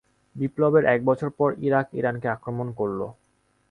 বিপ্লবের এক বছর পর, ইরাক ইরানকে আক্রমণ করল।